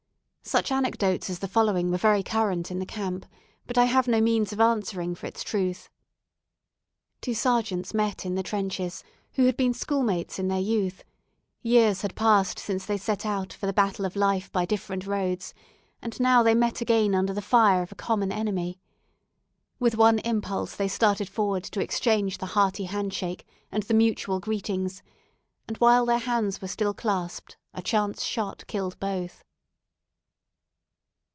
Such anecdotes as the following were very current in the Camp, but I have no means of answering for its truth. Two sergeants met in the trenches, who had been schoolmates in their youth; years had passed since they set out for the battle of life by different roads, and now they met again under the fire of a common enemy. With one impulse they started forward to exchange the hearty hand shake and the mutual greetings, and while their hands were still clasped, a chance shot killed both.